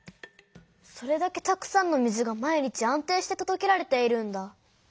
それだけたくさんの水が毎日安定してとどけられているんだ。